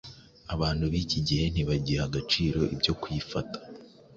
abantu b’iki gihe ntibagiha agaciro ibyo kwifata